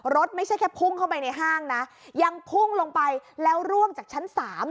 ไม่ใช่แค่พุ่งเข้าไปในห้างนะยังพุ่งลงไปแล้วร่วงจากชั้น๓